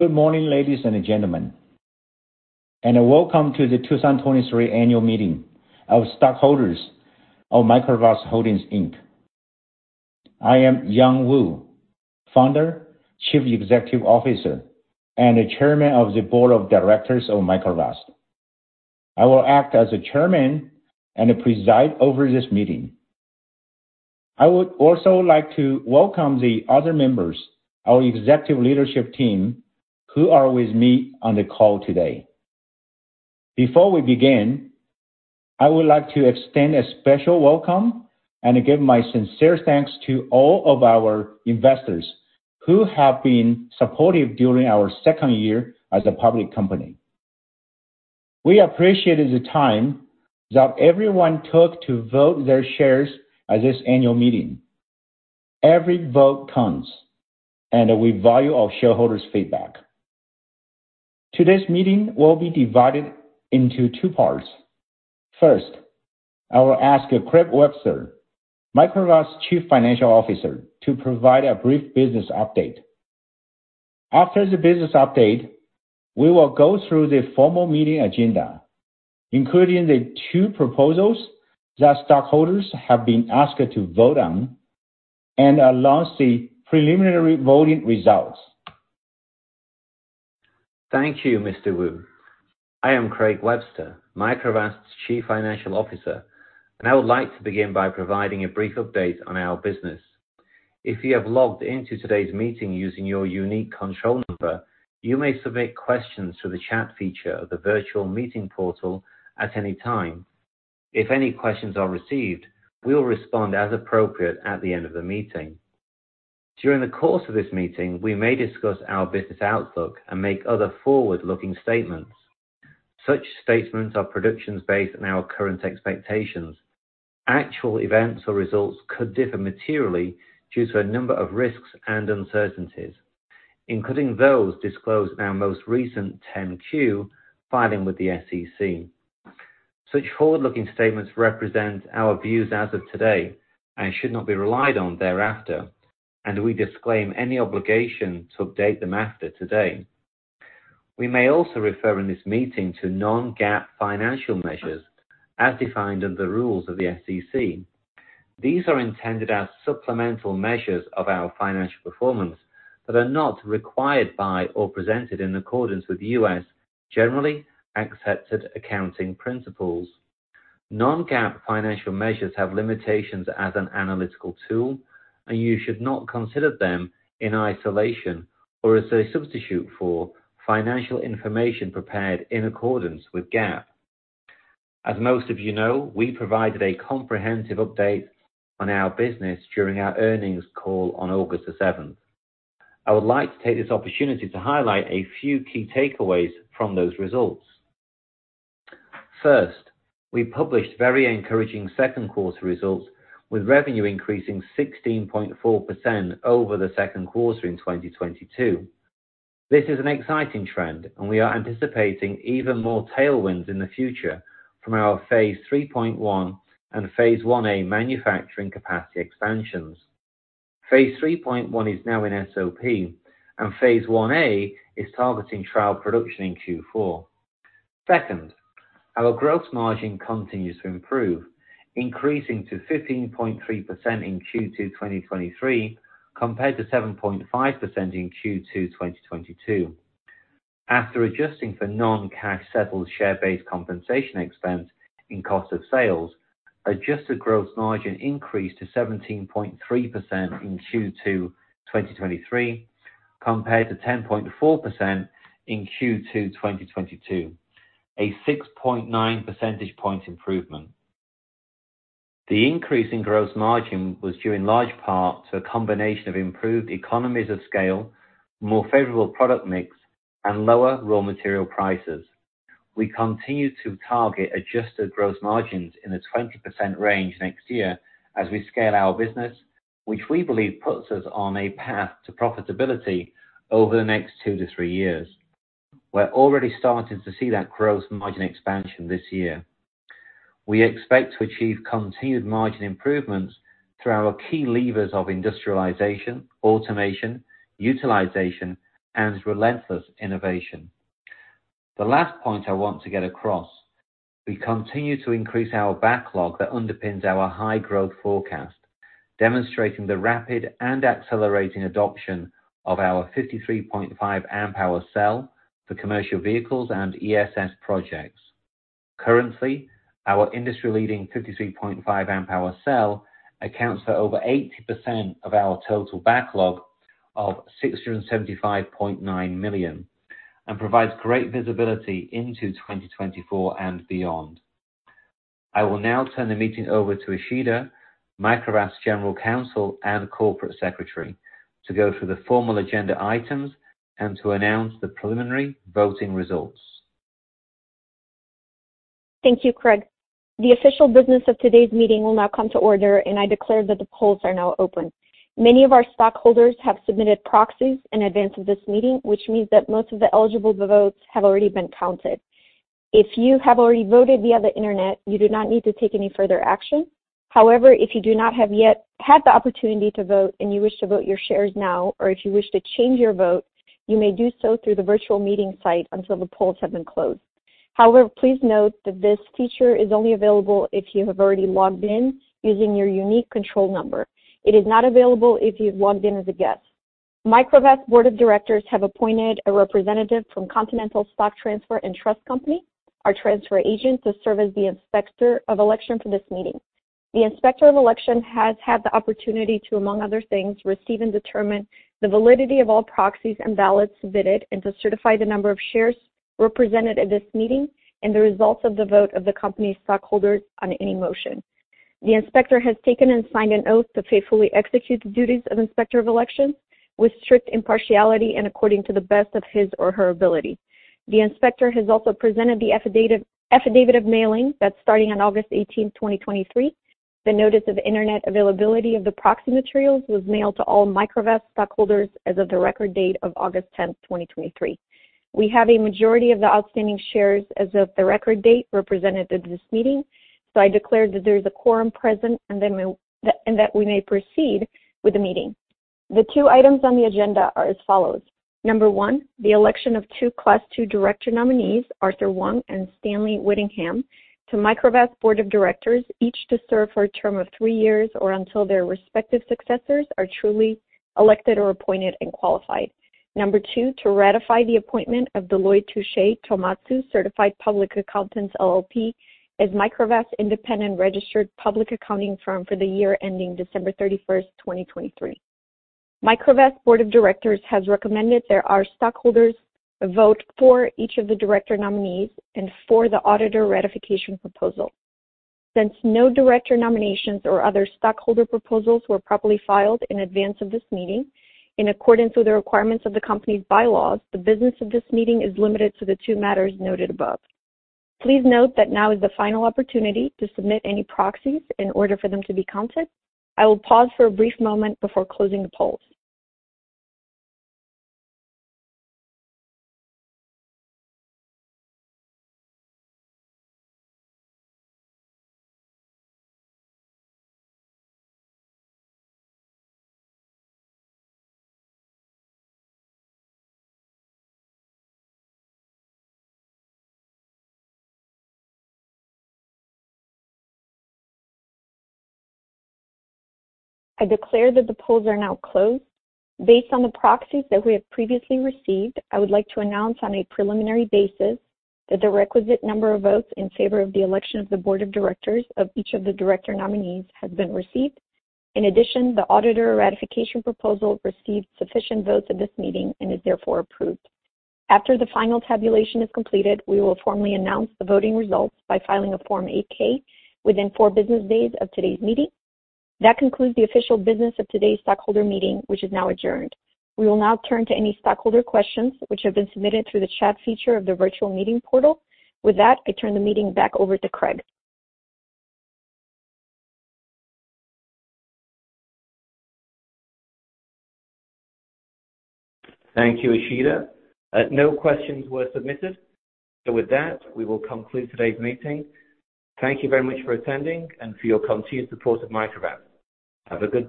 Good morning, ladies and gentlemen, and welcome to the 2023 annual meeting of stockholders of Microvast Holdings, Inc. I am Yang Wu, Founder, Chief Executive Officer, and Chairman of the Board of Directors of Microvast. I will act as the Chairman and preside over this meeting. I would also like to welcome the other members, our executive leadership team, who are with me on the call today. Before we begin, I would like to extend a special welcome and give my sincere thanks to all of our investors who have been supportive during our second year as a public company. We appreciate the time that everyone took to vote their shares at this annual meeting. Every vote counts, and we value our shareholders' feedback. Today's meeting will be divided into two parts. First, I will ask Craig Webster, Microvast's Chief Financial Officer, to provide a brief business update. After the business update, we will go through the formal meeting agenda, including the two proposals that stockholders have been asked to vote on, and announce the preliminary voting results. Thank you, Mr. Wu. I am Craig Webster, Microvast's Chief Financial Officer, and I would like to begin by providing a brief update on our business. If you have logged into today's meeting using your unique control number, you may submit questions through the chat feature of the virtual meeting portal at any time. If any questions are received, we will respond as appropriate at the end of the meeting. During the course of this meeting, we may discuss our business outlook and make other forward-looking statements. Such statements are predictions based on our current expectations. Actual events or results could differ materially due to a number of risks and uncertainties, including those disclosed in our most recent 10-Q filing with the SEC. Such forward-looking statements represent our views as of today and should not be relied on thereafter, and we disclaim any obligation to update them after today. We may also refer in this meeting to Non-GAAP financial measures as defined in the rules of the SEC. These are intended as supplemental measures of our financial performance that are not required by or presented in accordance with U.S. generally accepted accounting principles. Non-GAAP financial measures have limitations as an analytical tool, and you should not consider them in isolation or as a substitute for financial information prepared in accordance with GAAP. As most of you know, we provided a comprehensive update on our business during our earnings call on August the seventh. I would like to take this opportunity to highlight a few key takeaways from those results. First, we published very encouraging second quarter results, with revenue increasing 16.4% over the second quarter in 2022. This is an exciting trend, and we are anticipating even more tailwinds in the future from our Phase 3.1 and Phase 1A manufacturing capacity expansions. Phase 3.1 is now in SOP, and Phase 1A is targeting trial production in Q4. Second, our gross margin continues to improve, increasing to 15.3% in Q2 2023, compared to 7.5% in Q2 2022. After adjusting for non-cash settled share-based compensation expense in cost of sales, adjusted gross margin increased to 17.3% in Q2 2023, compared to 10.4% in Q2 2022, a 6.9 percentage point improvement. The increase in gross margin was due in large part to a combination of improved economies of scale, more favorable product mix, and lower raw material prices. We continue to target adjusted gross margins in the 20% range next year as we scale our business, which we believe puts us on a path to profitability over the next 2-3 years. We're already starting to see that gross margin expansion this year. We expect to achieve continued margin improvements through our key levers of industrialization, automation, utilization, and relentless innovation. The last point I want to get across, we continue to increase our backlog that underpins our high growth forecast, demonstrating the rapid and accelerating adoption of our 53.5 Ah cell for commercial vehicles and ESS projects. Currently, our industry-leading 53.5 Ah cell accounts for over 80% of our total backlog of $675.9 million and provides great visibility into 2024 and beyond. I will now turn the meeting over to Ishita, Microvast's General Counsel and Corporate Secretary, to go through the formal agenda items and to announce the preliminary voting results. Thank you, Craig. The official business of today's meeting will now come to order, and I declare that the polls are now open. Many of our stockholders have submitted proxies in advance of this meeting, which means that most of the eligible votes have already been counted. If you have already voted via the internet, you do not need to take any further action. However, if you do not have yet had the opportunity to vote and you wish to vote your shares now, or if you wish to change your vote, you may do so through the virtual meeting site until the polls have been closed. However, please note that this feature is only available if you have already logged in using your unique control number. It is not available if you've logged in as a guest. Microvast Board of Directors have appointed a representative from Continental Stock Transfer and Trust Company, our transfer agent, to serve as the Inspector of Election for this meeting. The Inspector of Election has had the opportunity to, among other things, receive and determine the validity of all proxies and ballots submitted, and to certify the number of shares represented at this meeting and the results of the vote of the company's stockholders on any motion. The inspector has taken and signed an oath to faithfully execute the duties of Inspector of Election with strict impartiality and according to the best of his or her ability. The inspector has also presented the Affidavit of Mailing that starting on August 18th, 2023, the notice of Internet availability of the proxy materials was mailed to all Microvast stockholders as of the record date of August 10th, 2023. We have a majority of the outstanding shares as of the record date represented at this meeting, so I declare that there is a quorum present, and that we may proceed with the meeting. The two items on the agenda are as follows: 1, the election of two Class II Director nominees, Arthur Wong and Stanley Whittingham, to Microvast Board of Directors, each to serve for a term of three years or until their respective successors are duly elected or appointed and qualified. Number two, to ratify the appointment of Deloitte Touche Tohmatsu Certified Public Accountants, LLP, as Microvast independent registered public accounting firm for the year ending December 31st, 2023. Microvast Board of Directors has recommended that the stockholders vote for each of the director nominees and for the auditor ratification proposal. Since no director nominations or other stockholder proposals were properly filed in advance of this meeting, in accordance with the requirements of the company's bylaws, the business of this meeting is limited to the two matters noted above. Please note that now is the final opportunity to submit any proxies in order for them to be counted. I will pause for a brief moment before closing the polls. I declare that the polls are now closed. Based on the proxies that we have previously received, I would like to announce on a preliminary basis that the requisite number of votes in favor of the election of the board of directors of each of the director nominees has been received. In addition, the auditor ratification proposal received sufficient votes at this meeting and is therefore approved. After the final tabulation is completed, we will formally announce the voting results by filing a Form 8-K within four business days of today's meeting. That concludes the official business of today's stockholder meeting, which is now adjourned. We will now turn to any stockholder questions which have been submitted through the chat feature of the virtual meeting portal. With that, I turn the meeting back over to Craig. Thank you, Ishita. No questions were submitted. With that, we will conclude today's meeting. Thank you very much for attending and for your continued support of Microvast. Have a good day.